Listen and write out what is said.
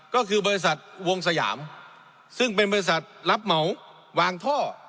ก็คือบริษัทวงสยามซึ่งเป็นบริษัทรับเหมาวางท่อ